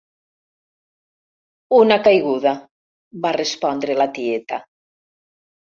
Una caiguda –va respondre la tieta.